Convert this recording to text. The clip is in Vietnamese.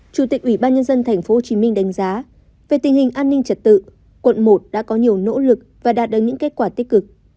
chủ tịch ủy ban nhân dân tp hcm đánh giá về tình hình an ninh trật tự quận một đã có nhiều nỗ lực và đạt được những kết quả tích cực